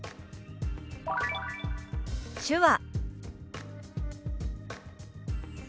「手話」。